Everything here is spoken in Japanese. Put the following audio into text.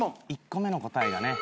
１個目の答えがね。